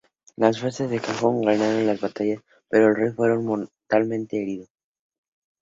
Las fuerzas de Haakon ganaron la batalla, pero el rey fue mortalmente herido.